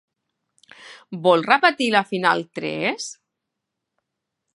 Vol repetir la final tres?